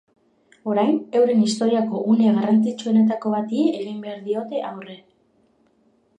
Orain, euren historiako une garrantzitsuenetako bati egin behar diote aurre.